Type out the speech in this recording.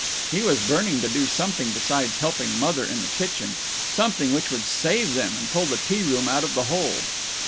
He was burning to do something besides helping Mother in the kitchen something which would save them and pull the tea room out of the hole.